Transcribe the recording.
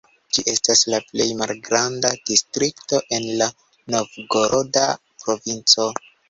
Ĝi estas la plej malgranda distrikto en la Novgoroda provinco.